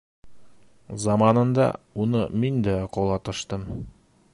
Заманында уны мин дә ҡолатыштым.